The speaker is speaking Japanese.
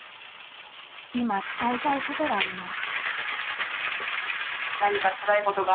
今、伝えたいことがあります。